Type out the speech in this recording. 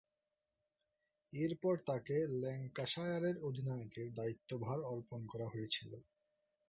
এরপর তাকে ল্যাঙ্কাশায়ারের অধিনায়কের দায়িত্বভার অর্পণ করা হয়েছিল।